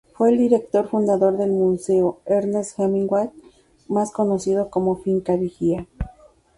Fue el director fundador del Museo Ernest Hemingway, más conocido como Finca Vigía.